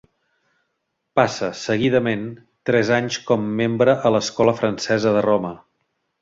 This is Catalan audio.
Passa, seguidament, tres anys com membre a l'Escola Francesa de Roma.